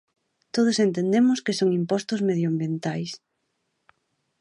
Todos entendemos que son impostos medioambientais.